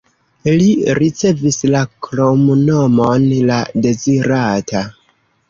Li ricevis la kromnomon "la dezirata".